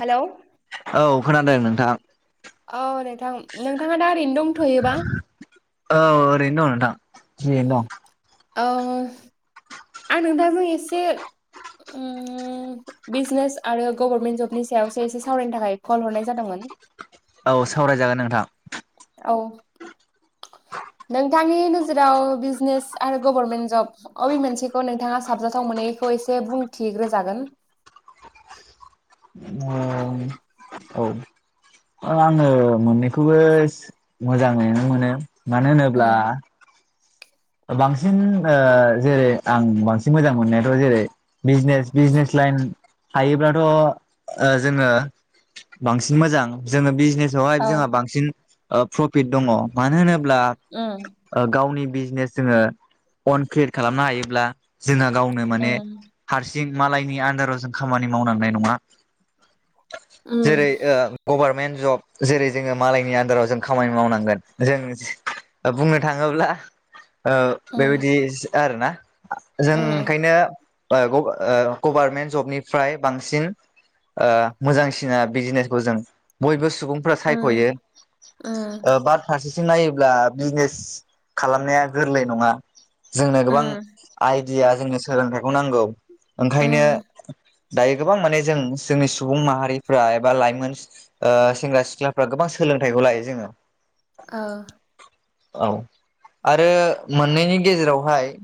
Hello औ खोनादों नोंथां औ नोंथां नोंथाङा दा ओरैनो दंथ'योबा औ ओरैनो दं नोंथां जिरायना दं औ आं नोंथांजों एसे उम बिजनेस आरो गभर्नमेन्ट जबनि सायावसो एसे सावरायनो थाखाय कल हरनाय जादोंमोन औ सावरायजागोन नोंथां औ नोंथांनि नोजोराव बिजनेस आरो गभर्नमेन्ट जब अ बेे मोनसेखौ नोंथाङा साबजाथाव मोनैखौ एसे बुंथिग्रोजागोन ओम औ ओ आङो मोननैखौबो मोजाङैनो मोनो मानो होनोब्ला उम बांसिन ओ‌ जेरै आं बांसिन मोजां मोननायाथ' जेरै- बिजनेस बिजनेस लाइन थायोब्लाथ' ओ जोङो बांसिन मोजां जोङो बिजनेसावहाय औ जोंहा बांसिन प्रफिट दङ मानो होनोब्ला ओम गावनि बिजनेस जोङो अन क्रियेट खालामनो हायोब्ला जोंहा गावनि माने उम हारसिं मालायनि आन्दाराव जों खामानि मावलांनाय नङा उम जेरै गभारमेन्ट जब जेरै जोङो मालायनि आन्दाराव जों खामानि मावनांगोन जों बुंनो थाङोब्ला उम बेबायदि आरो ना जों उम ओंखायनो ओ गभारनमेन्ट जबनिफ्राय बांसिन मोजांसिना बिजनेसखौ जों बयबो सुबुं फोरा उम सायख'यो उम ओ बाद फारसेथिं नायोब्ला बिजनेस खालामनाया गोरलै नङा जोंनो गोबां उम आइडिया जोंनो सोलोंथाइखौ नांगौ ओंखायनो उम दायो गोबां माने जों जोंनि सुबुं माहारिफ्रा एबा लाइमोन ओ सेंग्रा सिख्लाफ्रा गोबां सोलोंथाइखौ लायो जोङो औ औ आरो मोननैनि गेजेरावहाय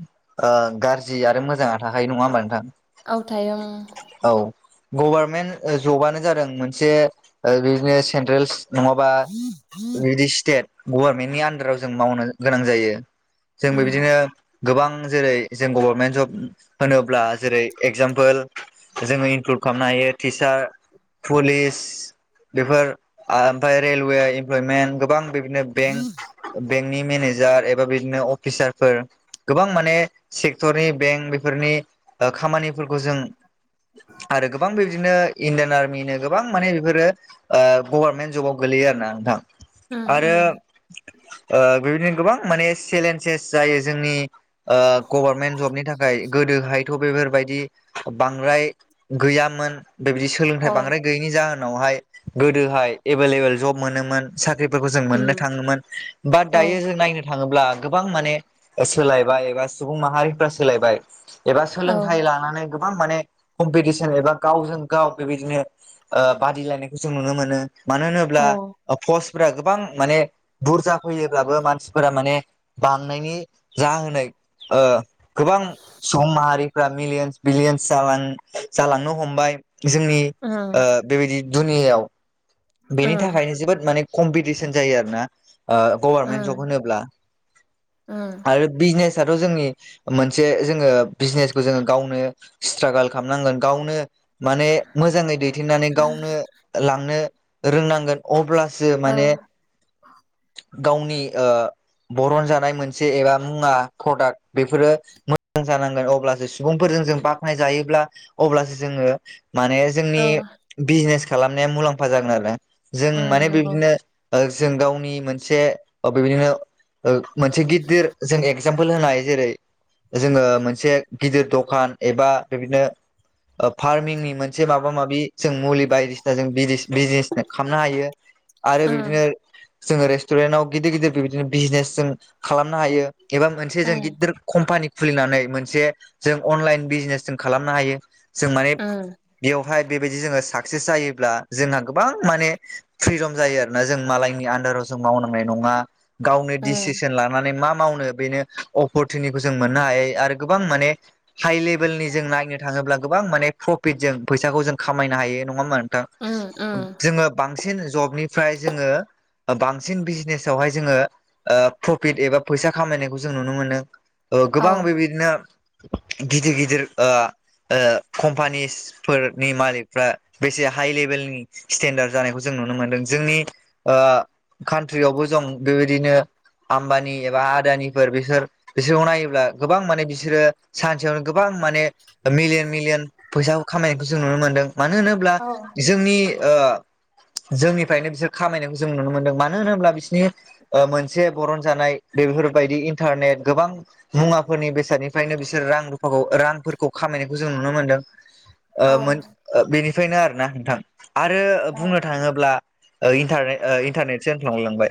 ओ गाज्रि आरो मोजाङा थाखायो नङा होमबा नोंथां औ थायो ओं औ गभारनमेन्ट जबानो जादों मोनसे बिदिनो सेन्ट्रेल नङाबा बिदि स्टेट गभारनमेन्टनि आन्दाराव जों मावनो गोनां जायो जोंबो उम बिदिनो गोबां जेरै जों गभर्नमेन्ट जब होनोब्ला जेरै एगजामपोल जोङो इनक्लुभ खालामनो हायो टिचार पुलिस बेफोर ओमफ्राय रेलवे इमप्लयमेन्ट गोबां बेदिनो बेंक बेंकनि मेनेजार एबा बिदिनो अफिसारफोर गोबां माने सेक्टरनि बेंक बेफोरनि खामानिफोरखौ जों आरो गोबां बेबदिनो इण्डियान आर्मिनो गोबां माने बेफोरो गभारनमेन्ट जबाव गोलैयो आरो ना उम नोंथां आरो उम ओ बेबायदिनो गोबां माने चेलेन्जेस जायो जोंनि ओ गभारनमेन्ट जबनि थाखाय गोदोहायथ' बेफोरबायदि बांद्राय गैयामोन बेबायदि सोलोंथाइ अ बांद्राय गैयैनि जाहोनावहाय गोदोहाय एभेलेबेल जब मोनोमोन साख्रिफोरखौ जों उम मोननो थाङोमोन बा औ दायो जों नायनो थाङोब्ला गोबां माने सोलायबाय एबा सुबुं माहारिफ्रा सोलायबाय एबा औ सोलोंथाइ लानानै गोबां माने कमपिटिसन एबा गावजों गाव बेबायदिनो बादिलायनायखौ जों नुनो मोनो मानो औ होनोब्ला पस्टफोरा गोबां माने बुरजा फैयोब्लाबो मानसिफोरा माने बांनायनि जाहोनाय गोबां सुबुं माहारि मिलियन्स बिलिन्स जालांनो हमबाय जोंनि उम बेबायदि दुनियायाव बेनि उम थाखायनो जोबोद माने कम्पिटिसन जायो आरोना गभारनमेन्ट जब उम होनोब्ला उम आरो बिजनेसथ' जोंनि मोनसे जोङो बिजनेसखौ जोङो गावनो स्ट्रागोल खालामनांगोन गावनो। माने मोजाङै दैदेननानै गावनो लांनो रोंनांगोन। अब्लासो औ माने। गावनि ओ बरन जानाय मोनसे एबा मुवा प्रडाक्ट बेफोरो। मोजां जानांगोन अब्लासो सुबुंफोरजों जों बाख्नाय जायोब्ला अब्लासो जोङो माने औ जोंनि बिजनेस खालामनाया मुलाम्फा जागोन आरो जों उम माने नंगौ बेदिनो जों गावनि मोनसे बेबायदिनो मोनसे गिदिर जों एगजामपोल होनो हायो जेरै जोङो मोनसे गिदिर दखान एबा बेदिनो फार्मिंनि मोनसे माबा माबि जों मुलि बायदिसिना जों बिजनेस खालामनो हायो। आरो उम बिदिनो जोङो रेस्टुरेन्टाव गिदिर गिदिर बिबदिनो बिजनेस जों खालामनो हायो एबा मोनसे जों उम गिदिर कम्पानि खुलिनानै मोनसे जों अनलाइन बिजनेस जों खालामनो हायो जों माने उम बेवहाय बेबायदि जोङो साक्सेस जायोब्ला जोंहा गोबां माने फ्रिदम जायो आरोना जों मालायनि आ। राव जों मावनांनाय नंङा गावनो उम डिसिसन लानो माने मा मावनो बेनो अपरसुनिटिखौ जों मोननो हायो आरो गोबां माने। हाइ लेभेलनि जों नायनो थाङोब्ला गोबां माने प्रफिट जों फैसाखौ जों खामायनो हायो नङा हा नोंथां। उम जोङो बांसिन जबनिफ्राय जोङो। बांसिन बिजनेसावहाय जोङो प्रफिट एबा फैसा खामायनायखौ जों नुनो मोनो। औ गोबां बेबायदिनो गिदिर गिदिर कम्पानिस। फोरनि मालिकफ्रा बेसे हाइ लेभेलनि स्टेन्डार्ड जानायखौ जों नुनो मोनदों जोंनि। कान्ट्रियावबो जं बेबायदिनो आम्बानि एबा आदानिफोर बिसोर। बिसोरखौ नायोब्ला गोबां माने बिसोरो सानसेयावनो गोबां माने। मिलियन मिलियन फैसा खामायनायखौ जों नुनो मोनदों मानो होनोब्ला। औ जोंनि जोंनिफ्रायनो बिसोर खामायनायखौ जों नुनो मोनदों। मानो होनोब्ला बिसनि मोनसे बरन जानाय बेफोरबायदि इन्टारनेट गोबां। मुवाफोरनि बेसादनिफ्रायनो बिसोर रां रुफाखौ रांफोरखौ खामायनायखौ जों नुनो मोन्दों। औ मोन बेनिफ्रायनो आरोोना नोंथां आरो बुंनो थाङोब्ला। इन्टारने इन्टारनेटसो होन्लांललांबाय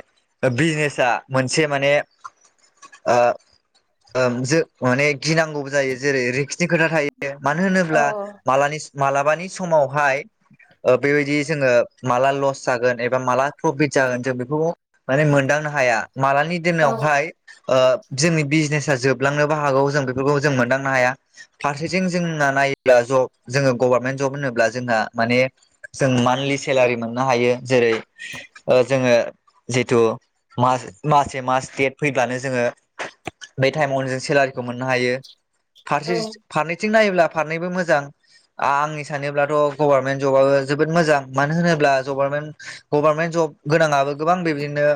बिजनेसा मोनसे माने। ज माने गिनांगौबो जायो जेरै रि। बि खोथा थायो मानो औ होनोब्ला मालानि। मालाबानि समावहाय बेबायदि जोङो माला लस जागोन एबा माला प्रफिट। ज जों बेखौ माने मोनदांनो हाया मालानि दिनावहाय जोंनि बिजनेसा जोबलांनोबो हागौ जों बेफोरखौ जों मोनदांनो हाया। फारसेथिं जोंना नायोब्ला जब जोङो गभारनमेन्ट जब होनोब्ला जोंहा माने जों मान्थलि सेलारि मोननो हायो जेरै जोङो जिथु म मासे मास देट फैब्लानो जोङो बे टाइमावनो जों सेलारिखौ मोननो हायो फारसे फार नायोब्ला फारनैबो मोजां। आंनि सानोब्लाथ' गभारनमेन्ट जबाबो जोबोद मोजां मानो होनोब्ला गभारनमेन्ट गभारनमेन्ट जब गोनाङआबो गोबां बिदिनो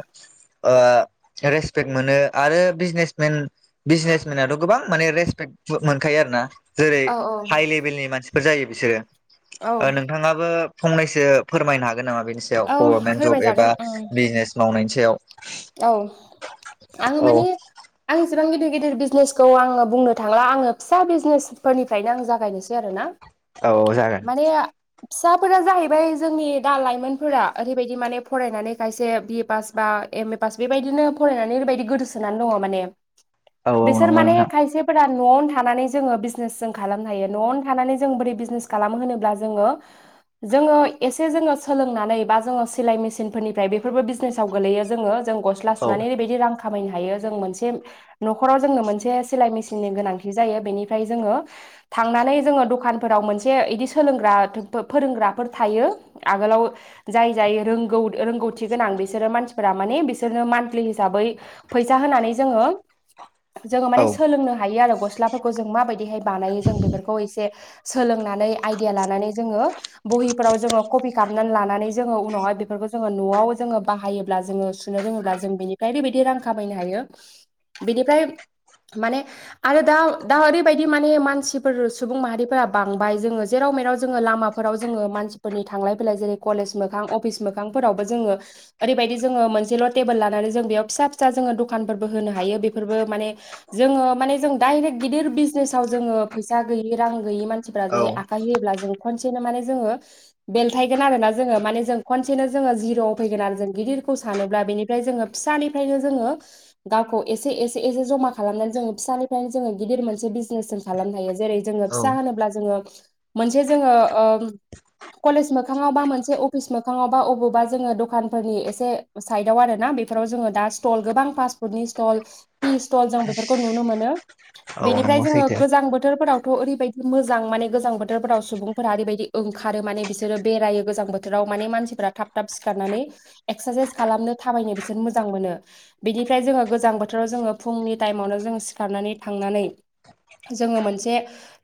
रेसपेक्ट मोनो आरो बिजनेसमेन बिजनेसमनाथ' गोबां माने रेसपेक्ट मोनखायो आरो ना जेरै औ हाइ लेभेलनि मानसिफोर जायो बिसोरो नोंथाङाबो फंनैसो फोरमायनो हागोन नामा बेनि सायाव औ गभर्नमेन्ट जब फोरमायजागोन एबा उम बिजनेस मावनायनि सायाव औ आङो औ माने आं एसेबां गिदिर गिदिर बिजनेसखौ आङो बुंनो थांला आङो फिसा बिजनेसफोरनिफ्रायनो आं जागायनोसै ज आरो ना। औ जागोन माने फिसाफोरा जाहैबाय जोंनि दा लाइमोनफोरा ओरैबायदि माने फरायनानै खायसे बि ए पास बा एम ए पास बेबायदिनो फरायनानै ओरैबायदि गोदोसोनानै दङ माने। औ औ बिसोर नंगौ माने नोंथां खायसे [unintelligible] न'आवनो थानानै जोङो बिजनेस जों खालामनो हायो। न'आवनो थानानै जों बोरै बिजनेस खालामो होनोब्ला जोङो जोङो एसे जोङो सोलोंनानै बा जोङो सिलाय मेसिनफोरनिफ्राय बेफोरबो बिजनेसाव गोलैयो ज जोङो जों गस्ला औ सुनानै ओबायदि रां खामायनो हायो। जों मोनसे न'खराव जोंनो मोनसे सिलाय मेसििननि गोनांथि जायो बेनिफ्राय जोङो थांनानै जोङो दखानफोराव मोनसे बिदि सोलोंग्रा फोरोंग्राफोर थायो। आगोलाव जाय जाय रोंगौ रोंगौथि गोनां बिसोरो मानसि फोर माने बिसोरनो मान्थलि हिसाबै फैसा होनानै जोङो जोङो औ माने सोलोंनो हायो आरो गस्लाफोरखौ जों माबायदिहाय बानायो जों बेफोरखौ एसे सोलों [unintelligible] खालामनानै लानानै जोङो उनावहाय बेफोरखौ जोङो न'आव जोङो बाहायो। जोङो सुनो रोङोब्ला जों बिनिफ्राय बेबायदि रां खामायनो हायो। बेनिफ्राय माने आरो दा- दा ओरैबायदि माने मानसिफोर सुबुं माहारिफोरा बांबाय जोङो जेराव मेराव जोङो लामा [unintelligible] मानसिनि थांलाय फैलाया जेरै कलेज मोखां अफिस मोखांफोरावबो जों एरैबायदि जोङो मोनसेल' टेबोल लानानै जों बेयाव फिसा- फिसा जोङो दखानफोरबो होनो हायो। बेफोरबो माने जोङो माने जों डाइरेक्ट गिदिर बिजनेसाव जोङो फैसा गैयि रां गैयि [unintelligible] मानसिफोरा औ जाय आखाइ होयोब्ला जों खनसेनो माने जोङो बेलथायगोन आरो ना जोङो माने जों खनसेनो जोङो जिर'आव फैगोन आरो जों गिदिर [unintelligible] सानोब्ला बेनिफ्राय जोङो फिसानिफ्रायनो जोङो गावखौ एसे- एसे -एसे जमा खालामनानै जोङो फिसानिफ्रायनो जोङो गिदिर मोनसे बिजनेस खालामनो हायो जेरै जोङो औ फिसा होनोब्ला जोङो मोनसे जोङो ओ कलेज मोखाङावबा मोनसे अफिस मोखाङावबा बबावबा जोङो दखानफोरनि एसे साइदाव आरो ना बेफोराव जोङो दा स्टल गोबां पास्टफुडनि स्टल पि स्टल जों बेफोरखौ नुनो मोनो औ बेनिफ्राय नंगौ जोङो सैथो गोजां बोथोरफोरावथ' ओरैबायदि मोजां माने गोजां बोथोरफोराव सुबुंफोरा ओरैबायदि ओंखारो माने बिसोरो बेरायो गोजां बोथोराव माने मानसिफोरा थाब खाबथाब सिखारनानै एक्सारसाइस खालामनो थाबायनो बिसोर मोजां मोनो। बिनिफ्राय जोङो गोजां बोथोराव जोङो फुंनि टाइमावनो जोङो सिखारनानै थांनानै जोङो मोनसे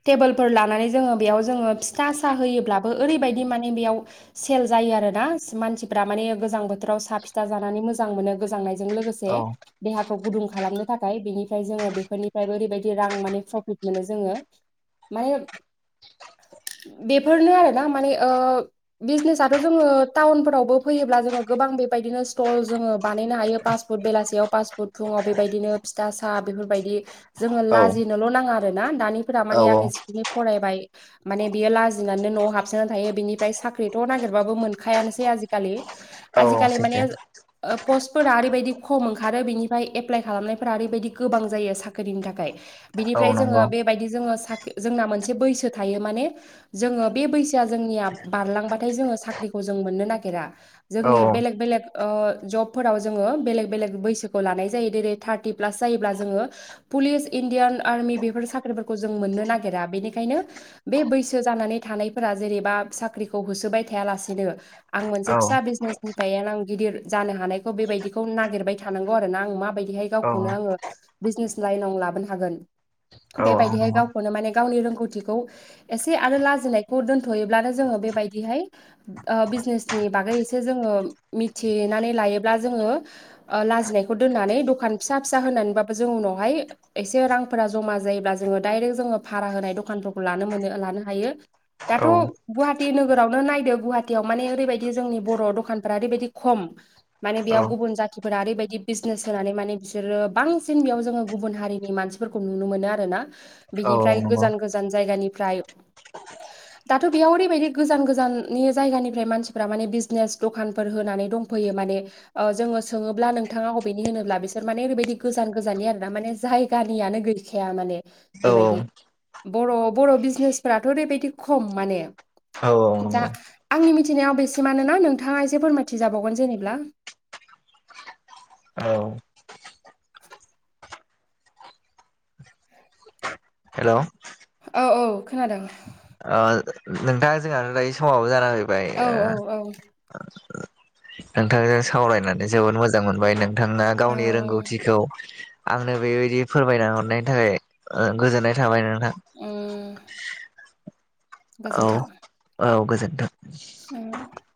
टेबोलफोर लानानै जोङो बेयाव जोङो फिथा साहोयोब्लाबो ओरैबायदि माने बेयाव सेल जायो आरोना मानसिफोरा माने गोजां बोथोराव [unintelligible] फिथा जानानै मोजां मोनो गोजांनायजों लोगोसे औ देहाखौ गुदुं खालामनो थाखाय। बेनिफ्राय जोङो बेफोरनिफ्रायबो ओरैबायदि रां माने प्रफिट मोनो जोङो। माने बेफोरनो आरोना माने ओ बिजनेसथ' जोङो टाउनफोरावबो फैयोब्ला जोङो गोबां बे बेबायदिनो स्टल जोङो बानायनो हायो। पास फुट बेलासेयाव पास फुट फुङाव बेबायदिनो फिथा साहा बेफोरबायदि जोङो औ लाजिनोल' नाङा आरो ना दानिफोरा औ माने आंनि सिकिनि फरायबाय माने बियो लाजिनानै न'आव हाबसोनानै थायो। बिनिफ्राय साख्रिथ' नागिरबाबो मोनखायानोसै आजिखालि। औ आजिखालि माने सैथो पस्टफोरा ओरैबायदि खम ओंखारो बेनिफ्राय एप्लाइ खालामनायफोरा ओरैबायदि गोबां जायो साख्रिनि थाखाय। औ बिनिफ्राय जोङो नंगौ बेबायदि जोङो साख्रि जोंना मोनसे बैसो थायो माने जोङो बे बैसोआ जोंनिया बारलांबाथाय जोङो साख्रिखौ जों मोननो नागिरा। औ जोंनि बेलेग- बेलेग ओ जबफोराव जोङो बेलेग -बेलेग बैसोखौ लानाय जायो जेरै थार्टि प्लास जायोब्ला जोङो पुलिस, इण्डियान आर्मि बेफोर साख्रिफोरखौ जों मोननो नागिरा। बेनिखायनो बे बैसो जानानै थानायफोरा जेनेबा साख्रिखौ होसोबाय थायालासिनो आं मोनसे औ फिसा बिजनेस [unintelligible] आं गिदिर जानो हानायखौ बेबायदिखौ नागिरबाय थानांगौ आरो ना। आं माबायदिहाय औ गावखौनो आङो बिजनेस लाइनाव लाबोनो हागोन। औ बेबायदिहाय नंगौ गावखौनो माने गावनि रोंगौथिखौ एसे आरो लाजिनायखौ दोनथ'योब्लानो जोङो बेबायदिहाय बिजनेसनि बागै एसे जोङो मिथिनानै लायोब्ला जोङो लाजिनायखौ दोननानै दखान फिसा फिसा होनानैबाबो जों उनावहाय एसे रांफोरा जमा जायोब्ला जोङो दडायरेक्ट जोङो भारा होनाय दखानफोरखौ लानो मोनो लानो हायो औ दाथ' गुवाहाटि नोगोरावनो नायदो गुवाहाटियाव माने ओरैबायदि जोंनि बर' दखानफ्रा ओरैबायदि खम माने बेयाव गुबुन जाथिफोरा ओरैबायदि बिजनेस होनानै माने बिसोरो बांसिन बेयाव जोङो गुबुन हारिनि मानसि नुनो मोनो आरोना। बिनिफ्राय नंगौ गोजान- गोजान जायगानिफ्राय दाथ' बेयाव ओरैबायदि गोजान गोजाननि जायगानिफ्राय मानसिफोरा माने [unintelligible] [unintelligible] दखानफोर होनानै दंफैयो माने जोङो सोङोब्ला नोंथाङा अबेनि होनोब्ला? बिसोर माने ओरैबायदि गोजान गोजाननि आर ना माने जायगानियानो [unintelligible] जायखाया माने बेबायदि औ बर' बर' बिजनेसफोराथ' ओरैबायदि खम माने औ दा नंगौ आंनि मिथिनायाव बेसेमानोना नोंथाङा एसे फोरमायथिजाबावगोन जेनेब्ला औ हेलौ औ औ खोनादों आ नोंथाङा जोंहानो दायो समावबो जानानानै फैबाय औ ओ औ औ नोंथांजों सावरायनानै जोबोद मोजां मोनबाय नोंथाङा गावनि रोंगौथिखौ आंनो बेबायदि फोरमायना हरनायनि थाखाय गोजोननाय थाबाय नोंथां ओ औ औ गोजोनथों औ